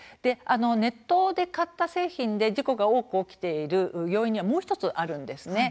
ネットで買った製品で事故が多く起きている要因にはもう１つ、あるんです。